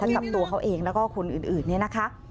กับตัวเขาเองแล้วก็คนอื่นเนี่ยนะคะ